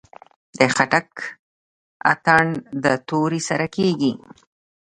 د خټک اتن د تورې سره کیږي.